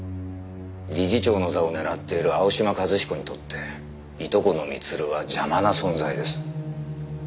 理事長の座を狙っている青嶋一彦にとっていとこの光留は邪魔な存在です。